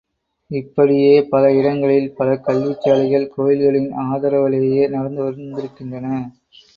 இப்படியே பல இடங்களில் பல கல்விச் சாலைகள் கோயில்களின் ஆதரவிலேயே நடந்து வந்திருக்கின்றன.